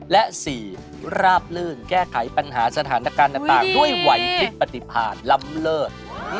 และ๔ราบลื่นแก้ไขปัญหาสถานการณ์ต่างด้วยวัยพลิกปฏิผ่านล้ำเลิศ